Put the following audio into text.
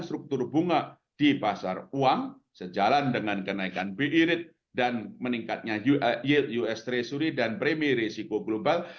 struktur bunga di pasar uang sejalan dengan kenaikan bi rate dan meningkatnya yield us treasury dan premi risiko global